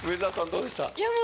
どうでした？